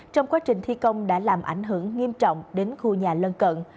trong quá trình thi công đã làm ảnh hưởng nghiêm trọng đến khu nhà lân cận